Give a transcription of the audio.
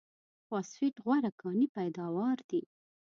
فاسفېټ غوره کاني پیداوار دی.